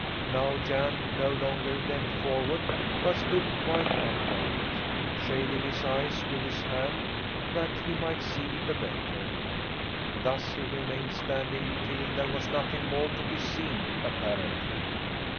Now Jan no longer bent forward but stood quite upright, shading his eyes with his hand that he might see the better. Thus he remained standing till there was nothing more to be seen, apparently.